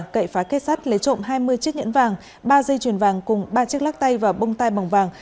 cậy phá kết sắt lấy trộm hai mươi chiếc nhẫn vàng ba dây chuyền vàng cùng ba chiếc lắc tay và bông tay bằng vàng